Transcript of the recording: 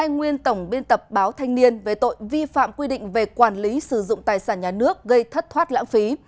hai nguyên tổng biên tập báo thanh niên về tội vi phạm quy định về quản lý sử dụng tài sản nhà nước gây thất thoát lãng phí